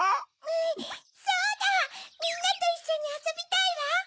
みんなといっしょにあそびたいわ！